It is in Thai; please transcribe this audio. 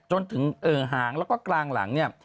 จนถึงหางแล้วก็กลางหลังเนี่ย